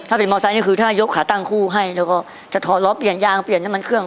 ถ้าเป็นมอไซค์นี่คือถ้ายกขาตั้งคู่ให้แล้วก็จะถอดล้อเปลี่ยนยางเปลี่ยนน้ำมันเครื่อง